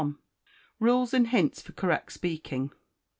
Rules and Hints for Correct Speaking.